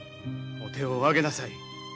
お手をお上げなさい。